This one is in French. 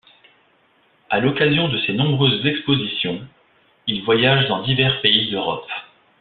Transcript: À l'occasion de ses nombreuses expositions, il voyage dans divers pays d'Europe.